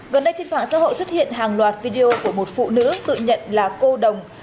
gần đây trên mạng xã hội xuất hiện hàng loạt video của một phụ nữ tự nhận là cô đồng